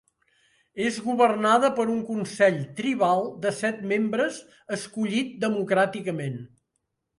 És governada per un consell tribal de set membres escollit democràticament.